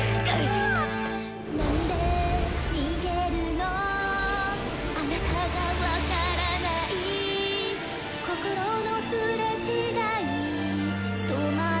「なんで逃げるのあなたがわからない」「心のすれ違い戸惑うばかりなの」